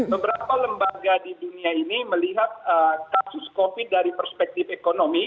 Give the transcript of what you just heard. beberapa lembaga di dunia ini melihat kasus covid dari perspektif ekonomi